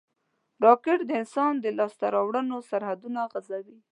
راکټ د انسان د لاسته راوړنو سرحدونه غځوي